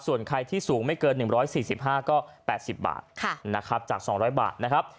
ส่วนใครที่สูงไม่เกิน๑๔๕ก็๘๐บาทนะครับจาก๒๐๐บาทนะครับ